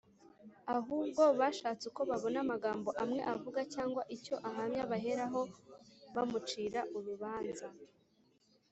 ahubwo bashatse uko babona amagambo amwe avuga cyangwa icyo ahamya baheraho bamucira urubanza